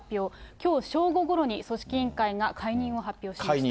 きょう正午ごろに組織委員会が解任を発表しました。